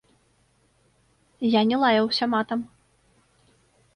Я не лаяўся матам.